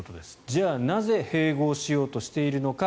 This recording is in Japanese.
じゃあなぜ併合しようとしているのか。